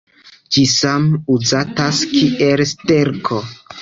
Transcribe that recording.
Ĝi same uzatas kiel sterko.